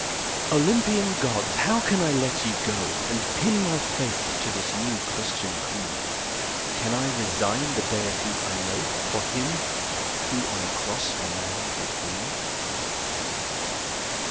Olympian Gods! how can I let ye go And pin my faith to this new Christian creed? Can I resign the deities I know For him who on a cross for man did bleed?